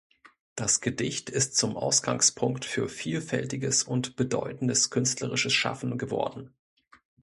Das Gedicht ist zum Ausgangspunkt für vielfältiges und bedeutendes künstlerisches Schaffen geworden.